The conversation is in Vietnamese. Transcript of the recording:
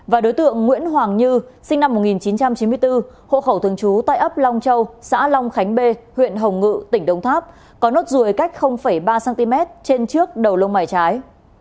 và đối tượng nguyễn hoàng như sinh năm một nghìn chín trăm chín mươi bốn hộ khẩu thường trú tại ấp long châu xã long khánh bê huyện hồng ngự tỉnh đồng tháp có nốt ruồi cách ba cm trên trước đầu lông mải trái